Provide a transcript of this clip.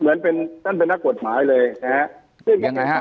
เหมือนตันเป็นนักกวดหมายเลยหรือยังไงค่ะ